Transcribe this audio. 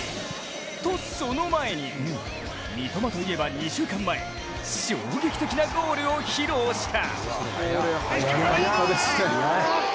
と、その前に、三笘といえば２週間前衝撃的なゴールを披露した。